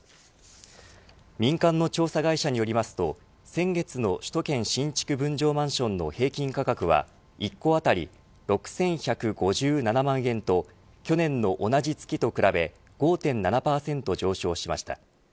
民間の調査会社によりますと先月の首都圏新築分譲マンションの平均価格は１戸当たり６１５７万円と去年の同じ月と比べ５．７％上昇しました。